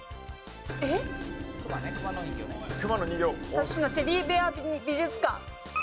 蓼科テディベア美術館。